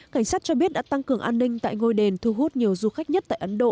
cảnh sát cho biết đã tăng cường an ninh tại ngôi đền thu hút nhiều du khách nhất tại ấn độ